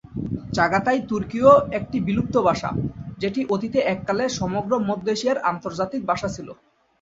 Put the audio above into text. Chagatai তুর্কীয় একটি বিলুপ্ত ভাষা, যেটি অতীতে এককালে সমগ্র মধ্য এশিয়ার আন্তর্জাতিক ভাষা ছিল।